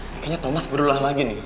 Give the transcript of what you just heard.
kayaknya thomas berulah lagi nih